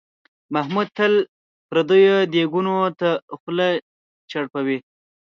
محمود تل پردیو دیګونو ته خوله چړپوي.